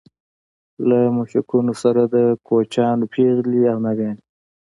له مشکونو سره د کوچیانو پېغلې او ناويانې.